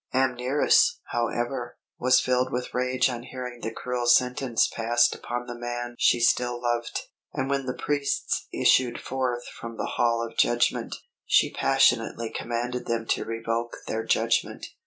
Amneris, however, was filled with rage on hearing the cruel sentence passed upon the man she still loved; and when the priests issued forth from the Hall of Judgment, she passionately commanded them to revoke their judgment.